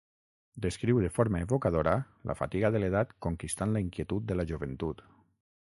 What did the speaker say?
Descriu de forma evocadora la fatiga de l'edat conquistant la inquietud de la joventut.